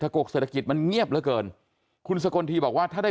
ทะโกคเศรษฐกิจมันเงียบแล้วเกินคุณสกนธีบอกว่าถ้าได้